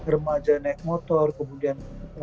remaja naik motor kemudian